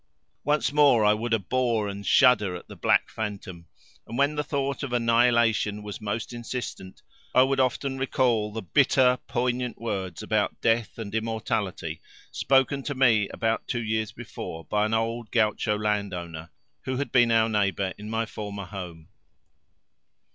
Once more I would abhor and shudder at the black phantom, and when the thought of annihilation was most insistent, I would often recall the bitter, poignant words about death and immortality spoken to me about two years before by an old gaucho landowner who had been our neighbour in my former home.